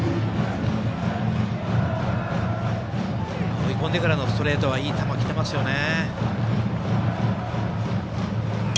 追い込んでからのストレートはいい球きてますよね。